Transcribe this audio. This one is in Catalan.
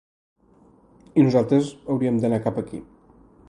I nosaltres hauríem d’anar cap aquí.